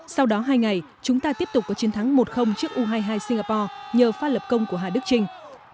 sau đó hai ngày chúng ta tiếp tục có chiến thắng một trước u hai mươi hai singapore nhờ phát lập công của hà đức trinh